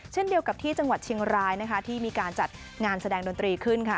เช่นเดียวกับที่จังหวัดเชียงรายนะคะที่มีการจัดงานแสดงดนตรีขึ้นค่ะ